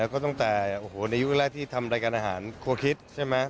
แล้วก็ตั้งแต่ในยุคแรกที่ทำรายการอาหารครัวคิดใช่ไหม